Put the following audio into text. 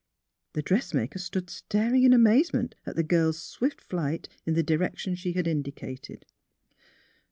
The dress maker stood staring in amazement at the girl's swift flight in the direction she had indicated.